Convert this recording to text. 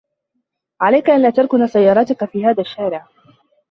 عليك أن لا تركن سيارتك في هذا الشارع.